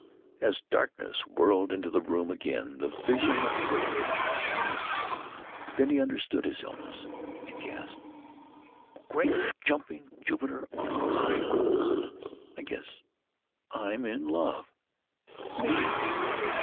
As darkness whirled into the room again the vision of Gertie came nearer. Then he understood his illness, and gasped: "Great jumping Jupiter on a high mountain! I guess—I'm—in—love! Me!"